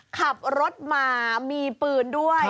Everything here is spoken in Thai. ขับรถมามีปืนด้วย